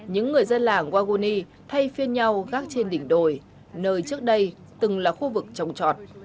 những người dân làng waguni thay phiên nhau gác trên đỉnh đồi nơi trước đây từng là khu vực trồng trọt